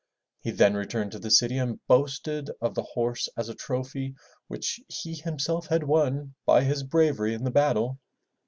He then returned to the city and boasted of the horse as a trophy which he himself had won by his bravery in the battle.